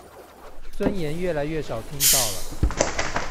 尊嚴越來越少聽到了